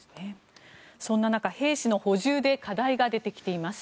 そんな中、兵士の補充で課題が出てきています。